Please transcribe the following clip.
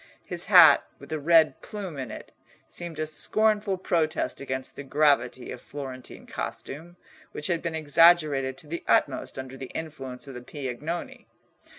His hat, with a red plume in it, seemed a scornful protest against the gravity of Florentine costume, which had been exaggerated to the utmost under the influence of the Piagnoni.